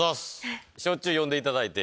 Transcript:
しょっちゅう呼んでいただいて。